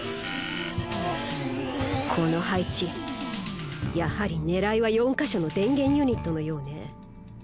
この配置やはり狙いは４か所の電源ユニットのようね。